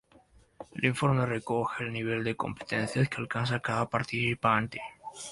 El informe recoge el nivel de competencias que alcanza cada participante.